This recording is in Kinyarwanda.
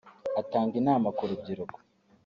atanga inama ku rubyiruko